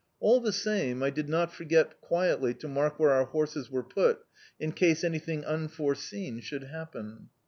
All the same, I did not forget quietly to mark where our horses were put, in case anything unforeseen should happen."